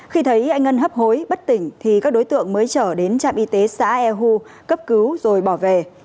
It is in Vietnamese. khi thấy anh ân hấp hối bất tỉnh thì các đối tượng mới chở đến trạm y tế xã ehu cấp cứu rồi bỏ về